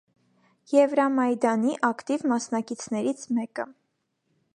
Եվրամայդանի ակտիվ մասնակիցներից մեկը։